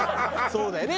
そうだよね。